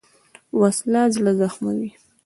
وسله زړه زخموي